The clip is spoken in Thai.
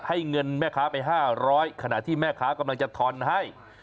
เงินแม่ค้าไป๕๐๐ขณะที่แม่ค้ากำลังจะทอนให้